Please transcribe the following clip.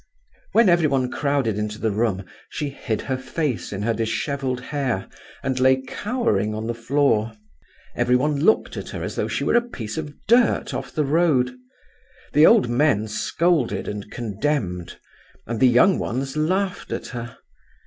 "When everyone crowded into the room she hid her face in her dishevelled hair and lay cowering on the floor. Everyone looked at her as though she were a piece of dirt off the road. The old men scolded and condemned, and the young ones laughed at her.